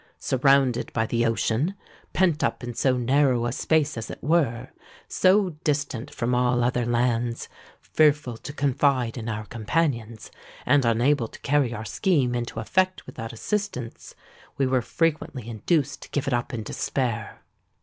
Surrounded by the ocean—pent up in so narrow a space, as it were—so distant from all other lands—fearful to confide in our companions—and unable to carry our scheme into effect without assistance, we were frequently induced to give it up in despair.